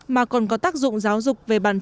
mà còn có tác dụng giáo dục về bản chất